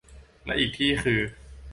และอีกที่คือ